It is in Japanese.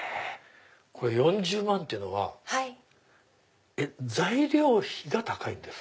４０万っていうのは材料費が高いんですか？